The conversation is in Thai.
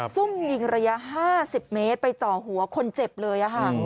ซุ่มยิงระยะ๕๐เมตรไปจ่อหัวคนเจ็บเลย